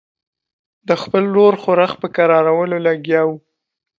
د خپل ورور ښورښ په کرارولو لګیا وو.